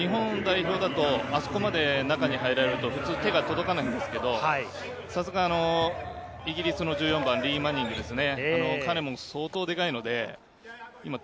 日本代表だと、あそこまで中に入られると、普通、手が届かないんですが、さすがイギリスの１４番、マニングですね。